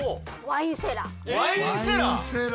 ワインセラー！